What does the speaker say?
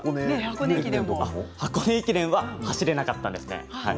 箱根駅伝は走れなかったんです。